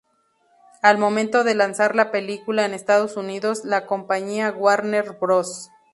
Al momento de lanzar la película en Estados Unidos, la compañía Warner Bros.